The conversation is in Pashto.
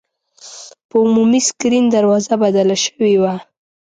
په عمومي سکرین دروازه بدله شوې وه.